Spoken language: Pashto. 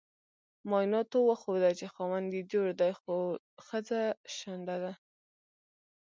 معایناتو وخوده چې خاوند یي جوړ دې خو خځه شنډه ده